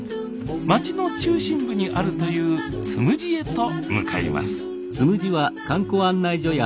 町の中心部にあるというつむじへと向かいます「つむじ」や。